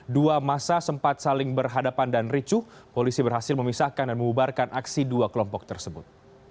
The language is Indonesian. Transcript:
dua masa sempat saling berhadapan dan ricuh polisi berhasil memisahkan dan mengubarkan aksi dua kelompok tersebut